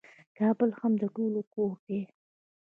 کابل هم د ټولو کور دی.